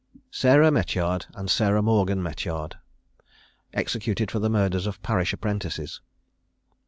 SARAH METYARD AND SARAH MORGAN METYARD. EXECUTED FOR THE MURDERS OF PARISH APPRENTICES.